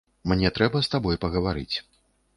Мне трэба з табой пагаварыць.